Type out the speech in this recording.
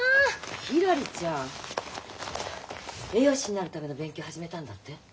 ひらりちゃん栄養士になるための勉強始めたんだって？